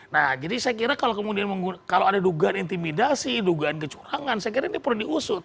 nah jadi saya kira kalau kemudian kalau ada dugaan intimidasi dugaan kecurangan saya kira ini perlu diusut